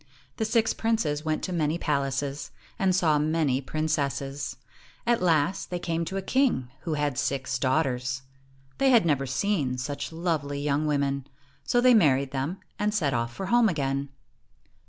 The six princes went to many palaces, and saw many princesses. At last, they came to a king who had six daughters. They had never seen such lovely young women, so they married them, and set off for home again.